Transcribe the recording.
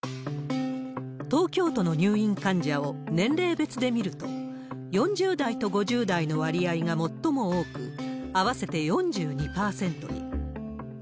東京都の入院患者を年齢別で見ると、４０代と５０代の割合が最も多く、合わせて４２％に。